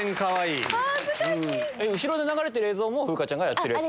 後ろで流れてる映像も風花ちゃんがやってるやつ？